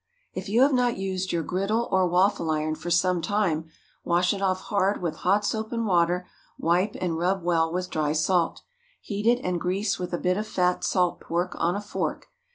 If you have not used your griddle or waffle iron for some time, wash it off hard with hot soap and water; wipe and rub well with dry salt. Heat it and grease with a bit of fat salt pork on a fork.